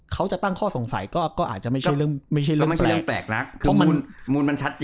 เขาจะตั้งข้อสงสัยก็อาจจะไม่ใช่เรื่องแปลกนะ